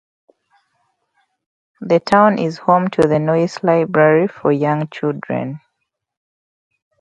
The town is home to the Noyes Library for Young Children.